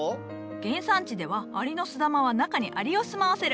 原産地ではアリノスダマは中にアリを住まわせる。